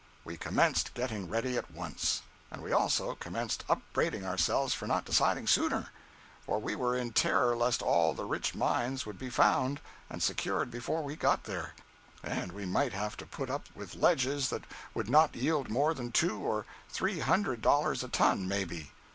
We commenced getting ready at once. And we also commenced upbraiding ourselves for not deciding sooner—for we were in terror lest all the rich mines would be found and secured before we got there, and we might have to put up with ledges that would not yield more than two or three hundred dollars a ton, maybe.